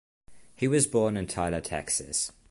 He was born in Tyler, Texas.